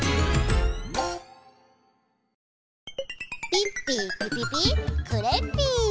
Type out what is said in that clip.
ピッピーピピピクレッピー！